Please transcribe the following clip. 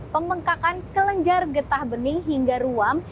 pemengkakan kelenjar getah benih hingga ruam